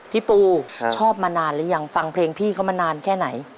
พี่ปูชอบมานานหรือยังฟังเพลงพี่เขามานานแค่ไหน